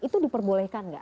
itu diperbolehkan nggak